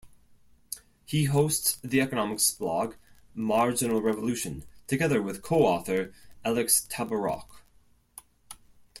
He hosts the economics blog, "Marginal Revolution", together with co-author Alex Tabarrok.